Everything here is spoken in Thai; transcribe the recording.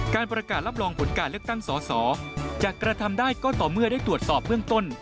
การประกาศรับรองผลการเลือกตั้งสอสอจะกระทำได้ก็ต่อเมื่อได้ตรวจสอบเบื้องต้น